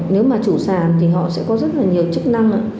nếu mà chủ sản thì họ sẽ có rất là nhiều chức năng